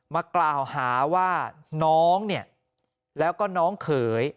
มากล่าวหาว่าน้องเนี่ยแล้วก็น้องเขย